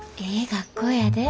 学校やで。